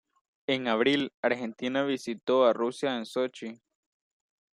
En abril, Argentina visitó a Rusia en Sochi.